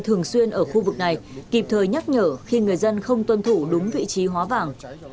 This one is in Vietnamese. thường xuyên ở khu vực này kịp thời nhắc nhở khi người dân không tuân thủ đúng vị trí hóa vàng